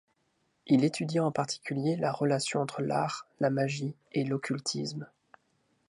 Il étudia en particulier la relation entre l'art, la magie et l'occultisme.